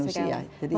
betul betul baik